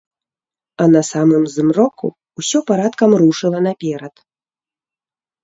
А на самым змроку ўсё парадкам рушыла наперад.